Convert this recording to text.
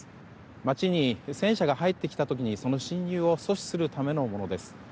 街に戦車が入ってきた時にその侵入を阻止するためのものです。